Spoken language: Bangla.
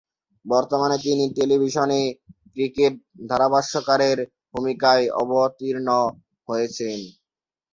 বর্তমানে তিনি টেলিভিশনে ক্রিকেট ধারাভাষ্যকারের ভূমিকায় অবতীর্ণ হয়েছেন।